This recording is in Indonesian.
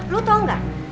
lo tau gak